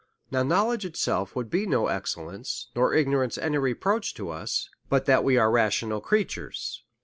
Now knowledge itself would be no excellence, nor ignorance any reproach to us, but that we are rational creatures.